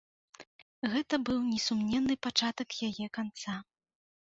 Гэта быў несумненны пачатак яе канца.